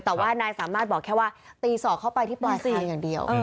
แต่ว่านายสามารถบอกแค่ว่าตีศอกเข้าไปที่ปลายเตียงอย่างเดียว